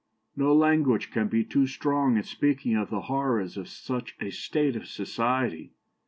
No language can be too strong in speaking of the horrors of such a state of society.